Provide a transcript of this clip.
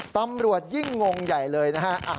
ตำรวจยิ่งงงใหญ่เลยนะฮะ